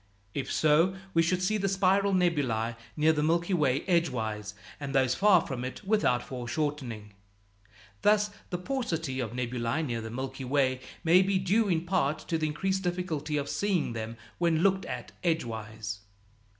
If so, we should see the spiral nebulæ near the Milky Way edgewise, and those far from it without foreshortening. Thus, the paucity of nebulæ near the Milky Way may be due in part to the increased difficulty of seeing them when looked at edgewise.